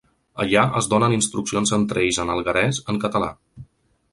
Allà es donen instruccions entre ells en alguerès, en català.